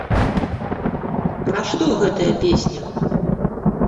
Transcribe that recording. Пра што гэтая песня?